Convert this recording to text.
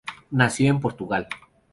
Nació en Portugal.